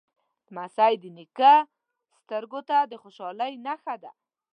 لمسی د نیکه سترګو ته د خوشحالۍ نښه ده.